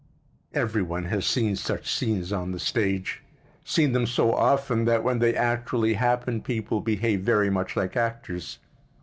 Every one has seen such scenes on the stage—seen them so often that when they actually happen people behave very much like actors.